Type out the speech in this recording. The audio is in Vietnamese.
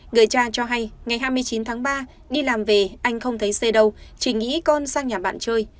người cha cho hay ngày hai mươi chín tháng ba đi làm về anh không thấy xây đâu chỉ nghĩ con sang nhà bạn chơi